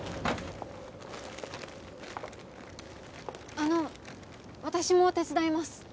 あの私も手伝います